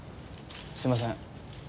すみません。